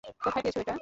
কোথায় পেয়েছো এটা?